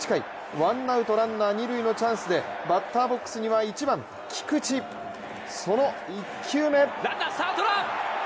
ワンアウト、ランナー二塁のチャンスでバッターボックスには、１番・菊池、その１球目。